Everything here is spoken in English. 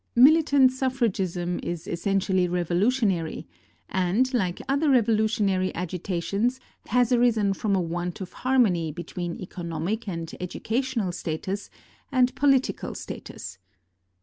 Militant suffragism is essentially revolutionary, and, like other revolutionary agitations, has arisen from a want of harmony between economic and educational status and political status.